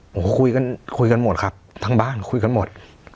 ผมก็คุยกันคุยกันหมดครับทั้งบ้านคุยกันหมด